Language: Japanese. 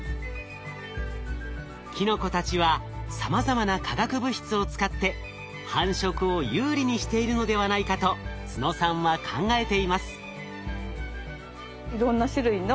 キノコたちはさまざまな化学物質を使って繁殖を有利にしているのではないかと都野さんは考えています。